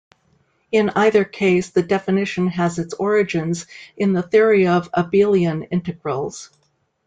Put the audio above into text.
In either case the definition has its origins in the theory of abelian integrals.